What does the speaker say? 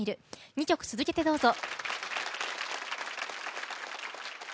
２曲続けてどうぞ。